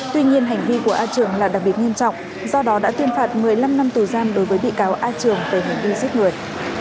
tuy nhiên hành vi của a trường là đặc biệt nghiêm trọng do đó đã tuyên phạt một mươi năm năm tù giam đối với bị cáo a trường về hành vi giết người